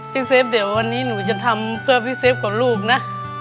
เซฟเดี๋ยววันนี้หนูจะทำเพื่อพี่เซฟกับลูกนะ